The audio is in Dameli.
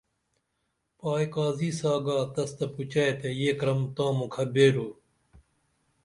پائی قاضی سا گا تس تہ پوچھے تے یہ کرم تا موکھہ بیرو